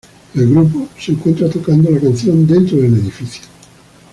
El grupo se encuentra tocando la canción dentro del edificio.